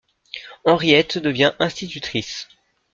Henriette devient institutrice.